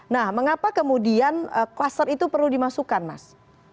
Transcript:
nah mengapa kemudian kluster itu perlu dimasukkan mas